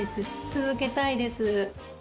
続けたいです。